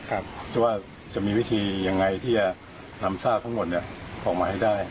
ว่าจะมีวิธียังไงที่จะนำซากทั้งหมดออกมาให้ได้